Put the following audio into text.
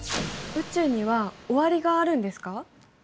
宇宙には終わりがあるんですか？